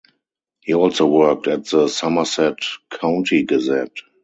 He also worked at the "Somerset County Gazette".